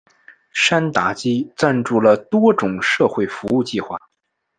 山达基赞助了多种社会服务计画。